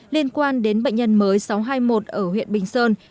liên quan đến bệnh nhân mới sáu trăm hai mươi một ở huyện bình sơn